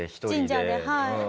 神社ではい。